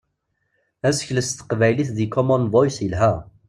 Asekles s teqbaylit di Common Voice yelha.